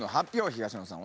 東野さん